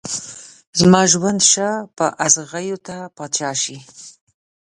زما ژوند شه په اغزيو ته پاچا شې